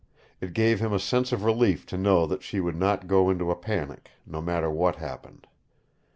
It gave him a sense of relief to know that she would not go into a panic, no matter what happened.